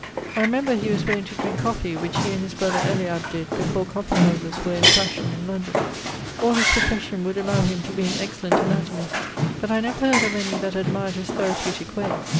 I remember he was wont to drinke coffee; which he and his brother Eliab did, before Coffee houses were in fashion in London. All his profession would allowe him to be an excellent anatomist, but I never heard of any that admired his therapeutique way.